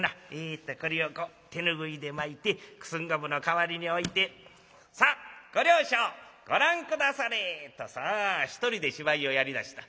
えっとこれをこう手拭いで巻いて九寸五分の代わりに置いて『さあご両所ご覧下され』」。とさあ一人で芝居をやりだした。